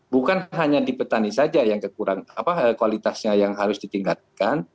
bukan hanya di petani saja yang kualitasnya harus ditingkatkan